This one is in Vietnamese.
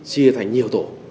chia thành nhiều tổ